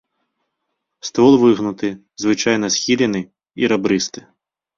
Ствол выгнуты, звычайна схілены і рабрысты.